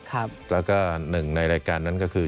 แล้วก็หนึ่งในรายการนั้นก็คือ